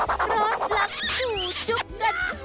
รอบรักจู่จุ๊บกัน